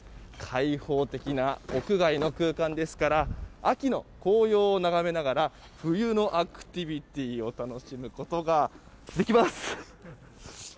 開放的な屋外の空間ですから秋の紅葉を眺めながら冬のアクティビティーを楽しむことができます。